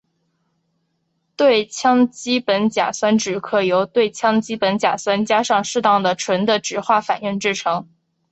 对羟基苯甲酸酯可由对羟基苯甲酸加上适当的醇的酯化反应制成。